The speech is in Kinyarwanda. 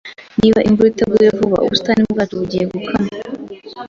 Niba imvura itaguye vuba, ubusitani bwacu bugiye gukama.